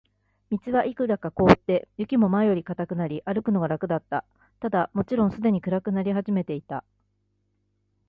道はいくらか凍って、雪も前よりは固くなり、歩くのが楽だった。ただ、もちろんすでに暗くなり始めていた。